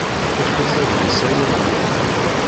Efk-as adlis-a i Ramu.